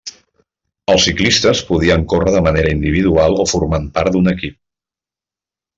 Els ciclistes podien córrer de manera individual o formant part d'un equip.